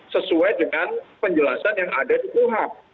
sesuai dengan penjelasan yang ada di kuhap